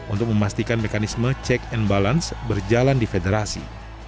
untuk memastikan mekanisme check and balance berjalan di federasi